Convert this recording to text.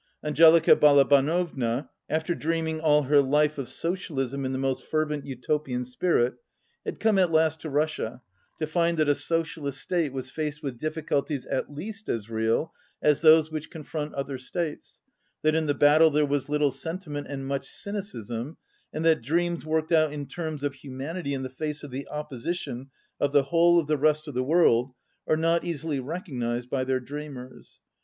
Angelica Balabanova, after dreaming all her life of socialism in the most fervent Utopian spirit, had come at last to Russia to find that a socialist state was faced with diffi culties at least as real as those which confront other states, that in the battle there was little sen timent and much cynicism, and that dreams worked out in terms of humanity in the face of the opposition of the whole of the rest of the world are not easily recognized by their dreamers.